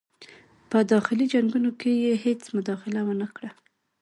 په داخلي جنګونو کې یې هیڅ مداخله ونه کړه.